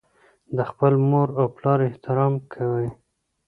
د خپل مور او پلار احترام کوي.